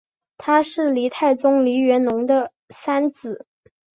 他是黎太宗黎元龙的三子。